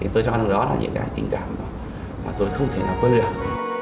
tôi cho rằng đó là những cái tình cảm mà tôi không thể nào quên được